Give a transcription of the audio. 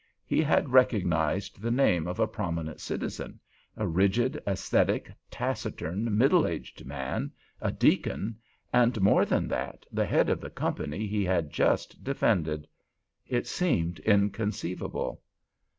He had recognized the name of a prominent citizen—a rigid ascetic, taciturn, middle aged man—a deacon—and more than that, the head of the company he had just defended. It seemed inconceivable.